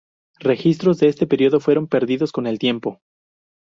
Registros de este periodo fueron perdidos con el tiempo.